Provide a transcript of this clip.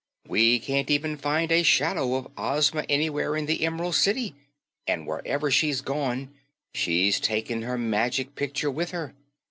We can't even find a shadow of Ozma anywhere in the Em'rald City, and wherever she's gone, she's taken her Magic Picture with her."